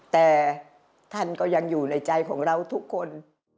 แต่ท่านก็ยังอยู่ในใจของเราทุกคน